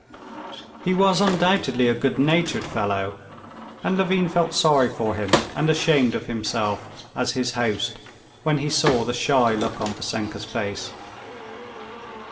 He was undoubtedly a good natured fellow, and Levin felt sorry for him and ashamed of himself, as his host, when he saw the shy look on Vassenka's face.